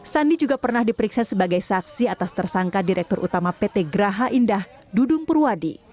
sandi juga pernah diperiksa sebagai saksi atas tersangka direktur utama pt graha indah dudung purwadi